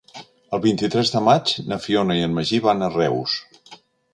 El vint-i-tres de maig na Fiona i en Magí van a Reus.